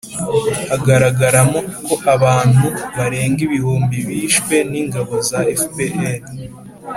hagaragaragamo ko abantu barenga ibihumbi bishwe n'ingabo za fpr